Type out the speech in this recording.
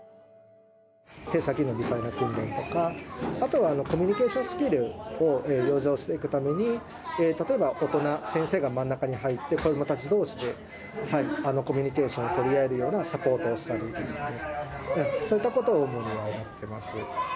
手先の微細な訓練とか、あとはコミュニケーションスキルを養生していくために、例えば大人、先生が真ん中に入って、子どもたちどうしでコミュニケーションを取り合えるようなサポートをしたりとかですね、そういったことを主にやっています。